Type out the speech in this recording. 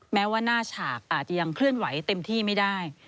แม้ว่าหน้าฉากอาจจะยังเคลื่อนไหวเต็มที่ไม่ได้